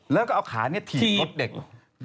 แล้วก็เอาขาเนี่ยถีบรถเด็กถีบ